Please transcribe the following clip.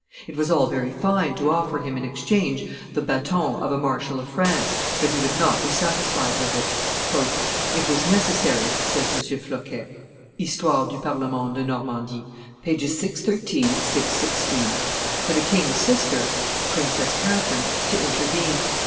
It was all very fine to offer him in exchange the baton of a marshal of France, but he would not be satisfied with it. "It was necessary," says M. Floquet [Histoire du Parlement de Normandie, t. iii. pp. 613 616], "for the king's sister (Princess Catherine) to intervene.